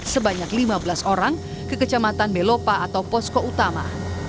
sebanyak lima belas orang ke kecamatan belopa atau posko utama